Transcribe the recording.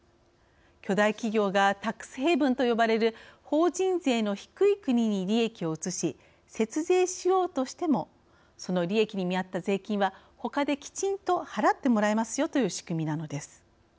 巨大企業がタックスヘイブンと呼ばれる法人税の低い国に利益を移し節税しようとしてもその利益に見合った税金はほかできちんと払ってもらいますよという仕組みなのです。